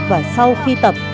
và sau khi tập